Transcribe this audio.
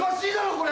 これ。